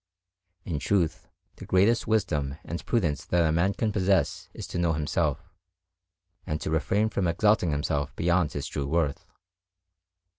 In truth, the greatest wisdom and prudence that a man can possess is to know himself, and to refrain from exalting himself beyond his true worth.